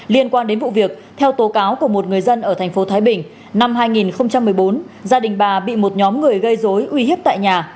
liên quan đến vụ việc theo tố cáo của một người dân ở tp thái bình năm hai nghìn một mươi bốn gia đình bà bị một nhóm người gây dối uy hiếp tại nhà